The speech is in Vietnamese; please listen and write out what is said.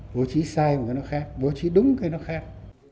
bố trí sai mà nó khác bố trí đúng cái nó khác